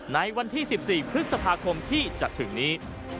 ในวันที่๑๔พฤษภาคมที่จะถึงนี้